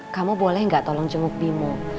kamu boleh gak tolong jenguk bimu